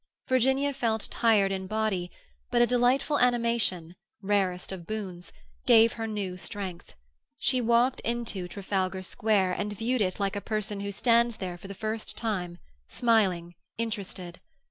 Virginia felt tired in body, but a delightful animation, rarest of boons, gave her new strength. She walked into Trafalgar Square and viewed it like a person who stands there for the first time, smiling, interested.